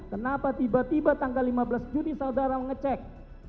kenapa tiba tiba tanggal lima belas juni saudara mengecek